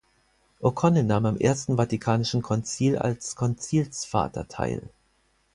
O’Connell nahm am Ersten Vatikanischen Konzil als Konzilsvater teil.